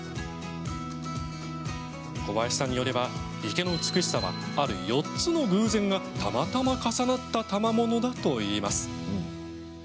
小林さんによれば、池の美しさはある４つの偶然がたまたま重なったたまものだといいます。